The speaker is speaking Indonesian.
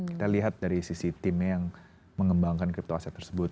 kita lihat dari sisi timnya yang mengembangkan crypto aset tersebut